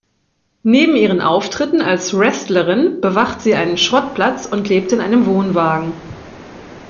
Neben ihren Auftritten als Wrestlerin bewacht sie einen Schrottplatz und lebt in einem Wohnwagen.